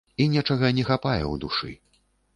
І нечага не хапае ў душы.